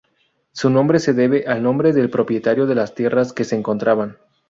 Su nombre se debe al nombre del propietario de las tierras que se encontraban.